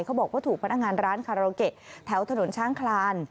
เขาบอกว่าถูกพนักงานร้านคาราโอเกะแถวถนนช้างคลาน